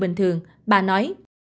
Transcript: bình thường bà nói